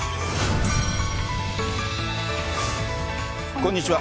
こんにちは。